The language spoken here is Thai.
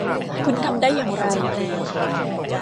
คุณทำได้อย่างไร ?